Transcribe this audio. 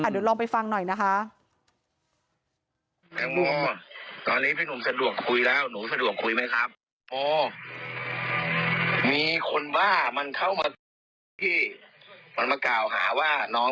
เดี๋ยวลองไปฟังหน่อยนะคะ